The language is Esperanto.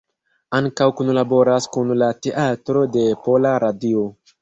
Ankaŭ kunlaboras kun la Teatro de Pola Radio.